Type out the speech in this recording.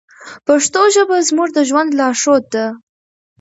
پښتو ژبه زموږ د ژوند لارښود ده.